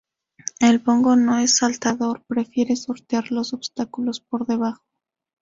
El bongo no es saltador, prefiere sortear los obstáculos por debajo.